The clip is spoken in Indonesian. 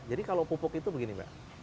jadi kalau pupuk itu begini mbak